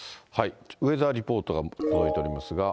ウェザーリポートが届いておりますが。